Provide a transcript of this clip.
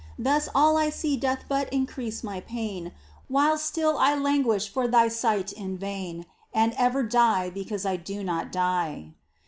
Thus all I see doth but increase my pain, While still I languish for Thy sight in vain And ever die because I do not die.